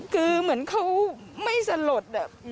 คือเหมือนเขาไม่สลด